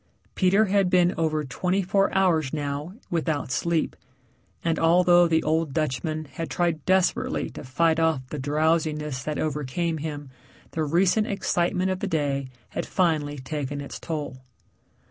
Peter had been over twenty four hours now without sleep, and although the old Dutchman had tried desperately to fight off the drowsiness that overcame him, the recent excitement of the day had finally taken its toll.